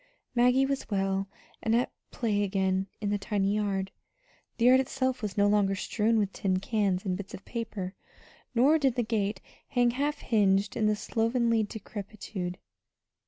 Maggie was well, and at play again in the tiny yard. The yard itself was no longer strewn with tin cans and bits of paper, nor did the gate hang half hinged in slovenly decrepitude.